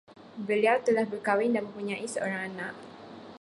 Beliau telah berkahwin dan mempunyai seorang anak